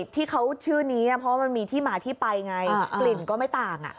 ที่เขาชื่อนี้เพราะมันมีที่มาที่ไปไงกลิ่นก็ไม่ต่าง